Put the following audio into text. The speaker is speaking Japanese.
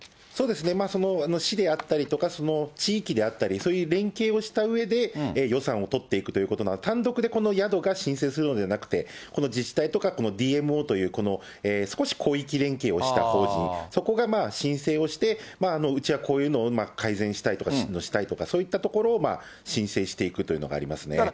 そうですね、その市であったりとか、その地域であったり、そういう連携をしたうえで、予算を取っていくということ、単独でこの宿が申請するのではなくて、この自治体とか、このＤＭＯというこの少し広域連携をした法人、そこが申請をして、うちはこういうのを改善したいとか、そういったところを申請していくというのがありますね。